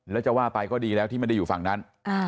แล้วจะว่าไปก็ดีแล้วที่ไม่ได้อยู่ฝั่งนั้น